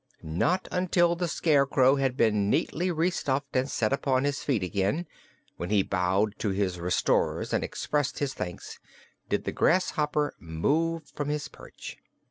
Not until the Scarecrow had been neatly restuffed and set upon his feet again when he bowed to his restorers and expressed his thanks did the grasshopper move from his perch.